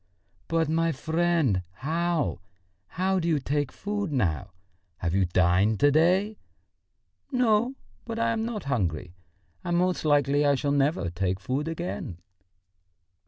"But, my friend, how ... how do you take food now? Have you dined to day?" "No, but I am not hungry, and most likely I shall never take food again.